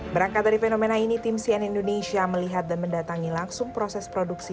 berangkat dari fenomena ini tim sian indonesia melihat dan mendatangi langsung proses produksi